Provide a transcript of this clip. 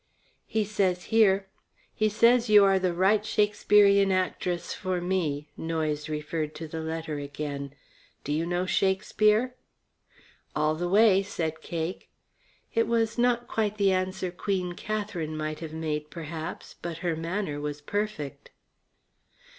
"He says you are the right Shakespearian actress for me," Noyes referred to the letter again. "Do you know Shakespeare?" "All the way," said Cake. It was not quite the answer Queen Katherine might have made, perhaps, but her manner was perfect.